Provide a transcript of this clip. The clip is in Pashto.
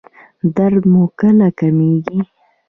درد مو کله کمیږي؟